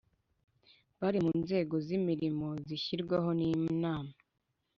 bari mu nzego z imirimo zishyirwaho n Inama